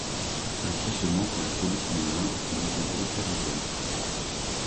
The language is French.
Inquiet seulement que la police ne vînt et ne vous brutalisât.